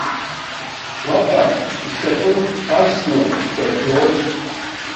Уаҟа ишьапы арсны дқьақьоит.